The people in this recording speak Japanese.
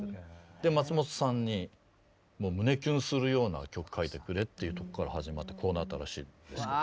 で松本さんに胸キュンするような曲書いてくれっていうとこから始まってこうなったらしいんですけど。